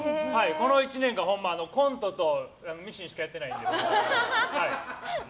この１年、コントとミシンしかやってないので。